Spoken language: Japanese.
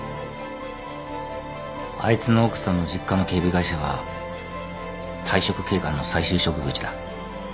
あいつの奥さんの実家の警備会社は退職警官の再就職口だ。